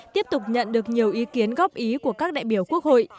tiếp tục nhận được nhiều ý kiến góp ý của các đại biểu quốc hội